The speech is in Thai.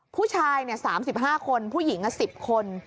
ผู้ชายเนี่ยสามสิบห้าคนผู้หญิงอะสิบคน